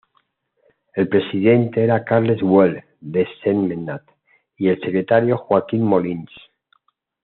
El presidente era Carles Güell de Sentmenat y el secretario Joaquim Molins.